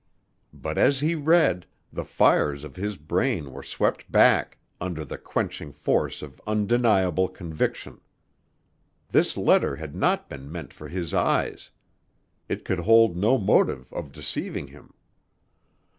But as he read, the fires of his brain were swept back, under the quenching force of undeniable conviction. This letter had not been meant for his eyes. It could hold no motive of deceiving him.